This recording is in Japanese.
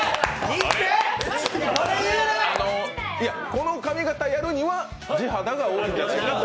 この髪型、やるには地肌が多いんじゃないかと。